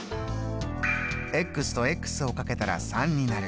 とをかけたら３になる。